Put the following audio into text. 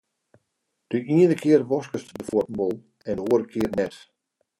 De iene kear waskest de fuotten wol en de oare kear net.